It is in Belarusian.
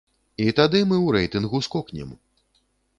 І тады мы ў рэйтынгу скокнем!